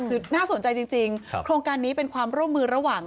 คือน่าสนใจจริงโครงการนี้เป็นความร่วมมือระหว่าง